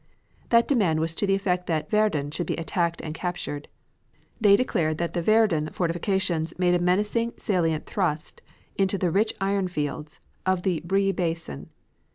That demand was to the effect that Verdun should be attacked and captured. They declared that the Verdun fortifications made a menacing salient thrust into the rich iron fields of the Briey basin.